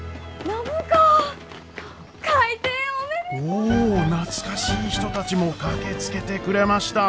お懐かしい人たちも駆けつけてくれました。